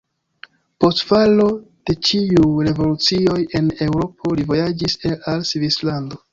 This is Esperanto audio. Post falo de ĉiuj revolucioj en Eŭropo li vojaĝis al Svislando.